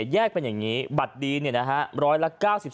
๗๔๖๙แยกเป็นอย่างนี้บัตรดี๑๐๐ละ๙๒๘๕